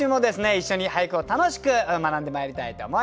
一緒に俳句を楽しく学んでまいりたいと思います。